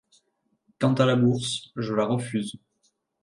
Quant à la bourse, je la refuse.